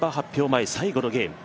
前最後のゲーム。